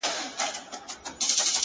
چي زه وگورمه مورته او دا ماته٫